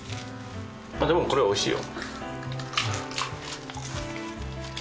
でもこれおいしいよ。